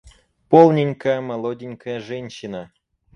Полненькая, молоденькая женщина!